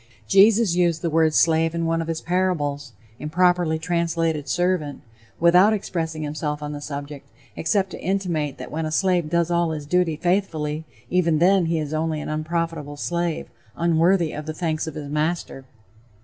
Jesus used the word slave in one of his parables (improperly translated servant), without expressing himself on the subject, except to intimate that when a slave does all his duty faithfully, even then he is only an "unprofitable slave," unworthy of the thanks of his master.